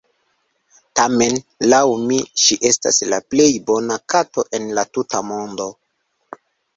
Tamen, laŭ mi, ŝi estas la plej bona kato en la tuta mondo.